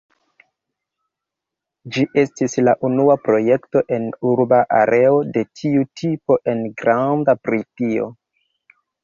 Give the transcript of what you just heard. Ĝi estis la unua projekto en urba areo de tiu tipo en Granda Britio.